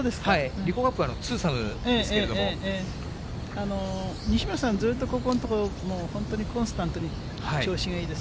リコーカップはツーサムですけれども、西村さん、ずっとここんとこ、本当にコンスタントに調子がいいです。